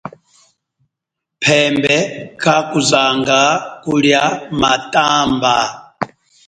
Phembe kakuzanga kulia matamba.